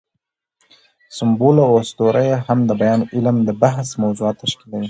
سمبول او اسطوره هم د بیان علم د بحث موضوعات تشکیلوي.